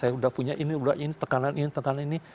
ini ini ini tekanan ini tekanan ini